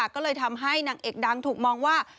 ก็เลยทำให้นางเอกดังถูกมองว่า